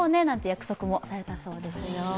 約束もされたそうですよ。